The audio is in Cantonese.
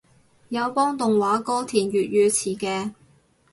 有幫動畫歌填粵語詞嘅